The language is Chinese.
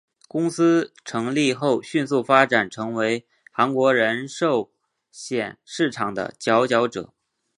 公司成立后迅速发展成为韩国人寿险市场的佼佼者。